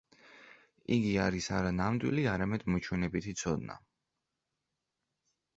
იგი არის არა ნამდვილი, არამედ მოჩვენებითი ცოდნა.